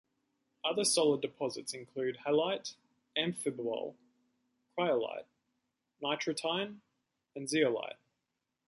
Other solid deposits include halite, amphibole, cryolite, nitratine, and zeolite.